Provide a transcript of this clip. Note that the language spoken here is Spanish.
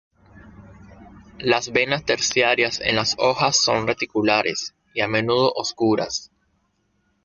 Las venas terciarias en las hojas son reticulares y, a menudo oscuras.